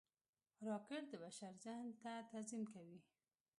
راکټ د بشر ذهن ته تعظیم کوي